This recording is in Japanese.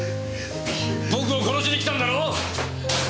僕を殺しに来たんだろう！？